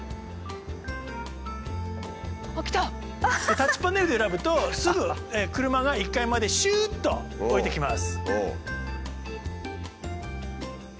タッチパネルで選ぶとすぐ車が１階までシュッと降りてきます。